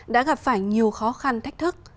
đã gặp phải nhiều khó khăn thách thức